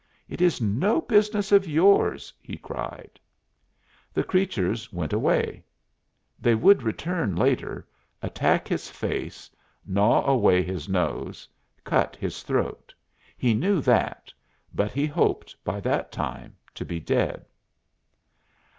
"It is no business of yours," he cried. The creatures went away; they would return later, attack his face, gnaw away his nose, cut his throat he knew that, but he hoped by that time to be dead.